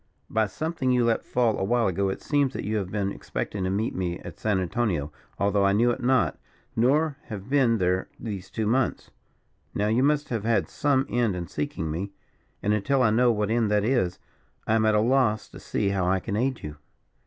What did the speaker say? By something you let fall a while ago, it seems that you have been expecting to meet me at San Antonio, although I knew it not, nor have been there these two months. Now, you must have had some end in seeking me; and, until I know what end that is, I am at a loss to see how I can aid you."